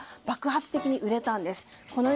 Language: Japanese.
爆発的に売れたんです。